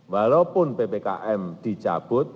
walaupun ppkm dicabut